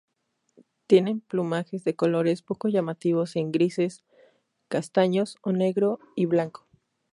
Tienen plumajes de colores poco llamativos en grises, castaños o negro y blanco.